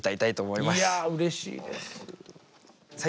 いやうれしいです。